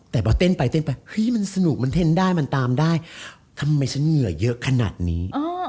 แต่พอเต้นไปเต้นไปเฮ้ยมันสนุกมันเต้นได้มันตามได้ทำไมฉันเหงื่อเยอะขนาดนี้